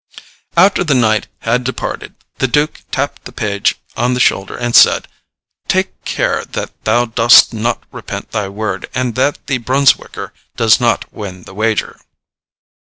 After the knight had departed the duke tapped the page on the shoulder and said, "Take care that thou dost not repent thy word, and that the Brunswicker does not win the wager."